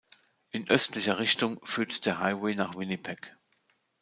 In östlicher Richtung führt der Highway nach Winnipeg.